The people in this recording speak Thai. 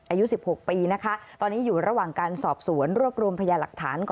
อายุ๑๖ปีนะคะตอนนี้อยู่ระหว่างการสอบสวนรวบรวมพยาหลักฐาน